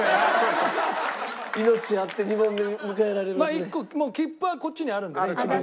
１個もう切符はこっちにあるんでね